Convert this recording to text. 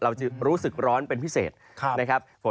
เราจะรู้สึกร้อนเป็นพิเศษนะครับ